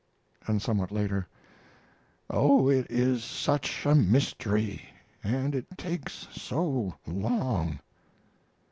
And, somewhat later: "Oh, it is such a mystery, and it takes so long."